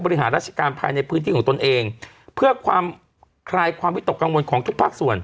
บริหารราชการภายในพื้นที่ของตนเองเพื่อความคลายความวิตกกังวลของทุกภาคส่วน